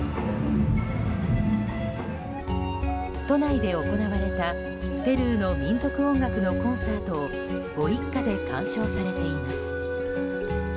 都内で行われたペルーの民族音楽のコンサートをご一家で鑑賞されています。